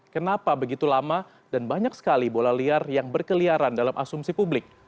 kenapa begitu lama dan banyak sekali bola liar yang berkeliaran dalam asumsi publik